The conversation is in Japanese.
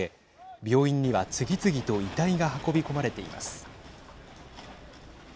病院には次々と遺体が運び込まれています。